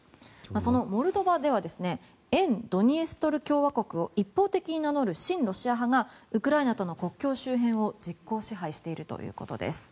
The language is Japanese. そのモルドバでは沿ドニエストル共和国を一方的に名乗る親ロシア派がウクライナとの国境周辺を実効支配しているということです。